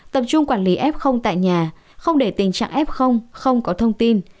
tập trung quản lý f tại nhà không để tình trạng f không có thông tin